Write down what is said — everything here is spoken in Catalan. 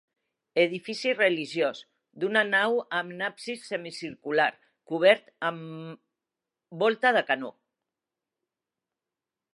Edifici religiós, d'una nau amb absis semicircular, cobert amb volta de canó.